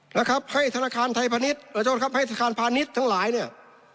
นะครับให้ธนาคารพาณิชย์ทั้งหลายเนี่ย